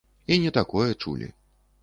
І не такое чулі.